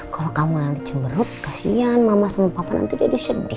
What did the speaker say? kalau kamu nanti cemberuk kasihan mama sama papa nanti jadi sedih